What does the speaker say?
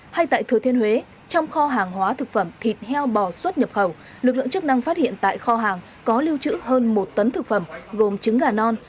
hay tại thừa thiên huế trong kho hàng hóa thực phẩm thịt heo bò xuất nhập khẩu lực lượng chức năng phát hiện tại kho hàng có lưu trữ hơn một tấn thực phẩm gồm trứng gà non